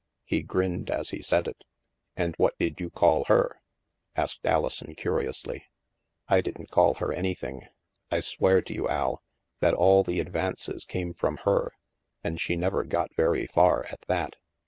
He grinned as he said it. " And what did you call her ?" asked Alison curi ously. " I didn't call her anything. I swear to you, Al, that all the advances came from her, and she never got very far, at that."